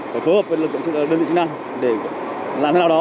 phải phối hợp với lực lượng đơn vị chức năng để làm thế nào đó